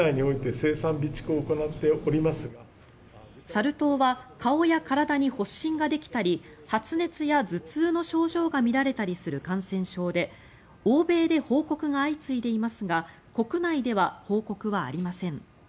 サル痘は顔や体に発疹ができたり発熱や頭痛の症状が見られたりする感染症で欧米で報告が相次いでいますが国内では報告はありません。